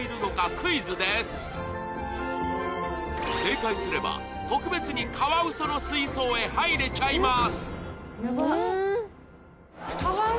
クイズです正解すれば特別にカワウソの水槽へ入れちゃいます